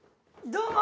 どうも！